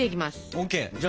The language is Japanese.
ＯＫじゃあ